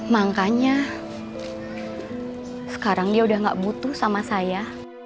makanya sekarang dia udah gak butuh sama saya